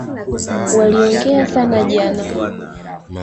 Waliongea sana jana